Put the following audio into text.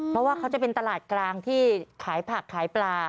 เพราะว่าเขาจะเป็นตลาดกลางที่ขายผักขายปลา